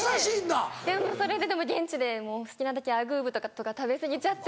でもそれで現地で好きなだけアグー豚とか食べ過ぎちゃって。